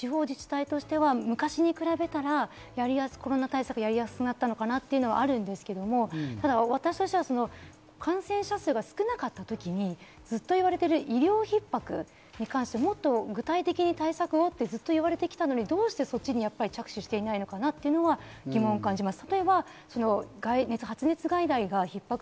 ようやく地方自治体で判断して宣言が出せるという権限が明記されて、地方自治体としては昔に比べたら、コロナ対策がやりやすくなったのかなというのもあるんですけど、私としては感染者数が少なかった時にずっと言われている医療ひっ迫に関して、もっと具体的に対策をってずっと言われてきたのに、どうしてそっちに着手していないのかなということに疑問を感じます。